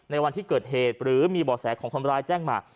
วันที่เกิดเหตุหรือมีบ่อแสของคนร้ายแจ้งมา